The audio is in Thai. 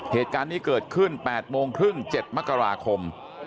เหตุการณ์นี้เกิดขึ้น๘โมงครึ่ง๗มกราคม